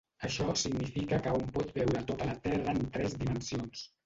Això significa que hom pot veure tota la terra en tres dimensions.